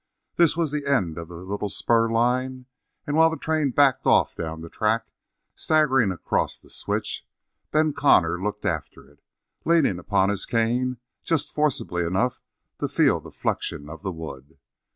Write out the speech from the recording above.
This was the end of the little spur line, and while the train backed off down the track, staggering across the switch, Ben Connor looked after it, leaning upon his cane just forcibly enough to feel the flection of the wood.